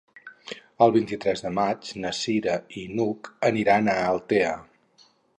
El vint-i-tres de maig na Cira i n'Hug aniran a Altea.